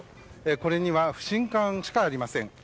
これには、不信感しかありません。